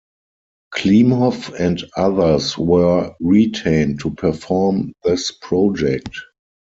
Klimov and others were retained to perform this project.